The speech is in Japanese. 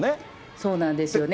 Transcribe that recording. そうなんですよね。